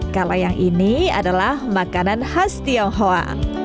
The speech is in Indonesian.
kalau yang ini adalah makanan khas tionghoa